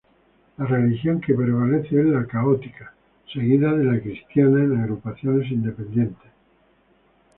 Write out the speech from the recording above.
La religión que prevalece es la católica, seguida de la "cristiana", en agrupaciones independientes.